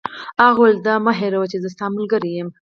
هغه وویل: دا مه هیروئ چي زه ستا ملګری یم.